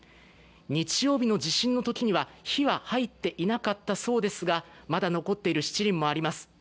日曜日の地震のときには火は入っていなかったそうですがまだ残っているしちりんもあります。